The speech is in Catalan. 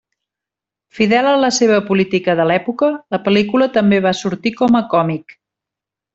Fidel a la seva política de l'època, la pel·lícula també va sortir com a còmic.